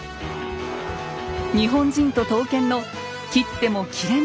日本人と刀剣の「斬っても斬れない」